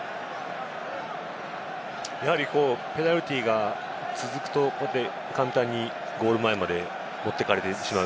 ペナルティーが続くと、簡単にゴール前まで持っていかれてしまう。